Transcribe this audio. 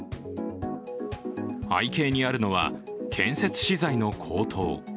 背景にあるのは、建設資材の高騰。